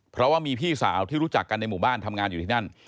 เพราะว่ามีพี่สาวที่รู้จักกันในหมู่บ้านทำงานอยู่ที่นั่น